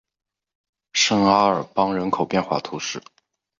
圣阿尔邦人口变化图示